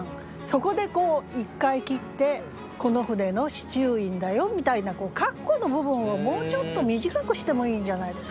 そこで１回切ってこの船の司厨員だよみたいな括弧の部分をもうちょっと短くしてもいいんじゃないですかね。